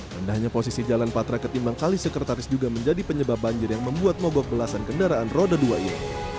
rendahnya posisi jalan patra ketimbang kali sekretaris juga menjadi penyebab banjir yang membuat mogok belasan kendaraan roda dua ini